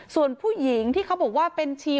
ส่วนผู้หญิงที่เขาบอกว่าเป็นชี